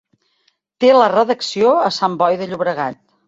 Té la redacció a Sant Boi de Llobregat.